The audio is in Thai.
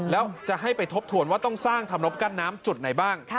แล้วจะให้ไปทบทวนว่าต้องสร้างธรรมนบกั้นน้ำจุดไหนบ้าง